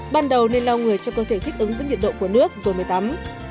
ban đầu nên lau người cho cơ thể thích ứng với nhiệt độ của nước rồi mới tắm